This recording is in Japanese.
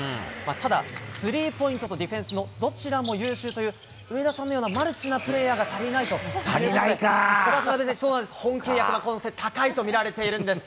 ただ、スリーポイントとディフェンスと、どちらも優秀という、上田さんのようなマルチなプレーヤーが足りないと、そうなんです、本契約の可能性が高いと見られているんです。